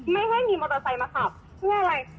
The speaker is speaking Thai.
ไม่ให้มีมอเตอร์ไซค์มาขับเพื่ออะไร